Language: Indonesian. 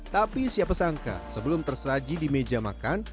tapi siapa sangka sebelum tersaji di meja makan